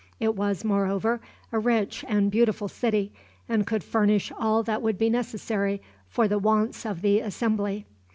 It was, moreover, a rich and beautiful city, and could furnish all that would be necessary for the wants of the assembly.